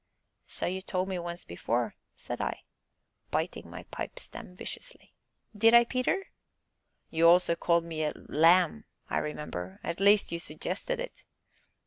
"So you told me once before," said I, biting my pipe stem viciously. "Did I, Peter?" "You also called me a lamb, I remember at least, you suggested it."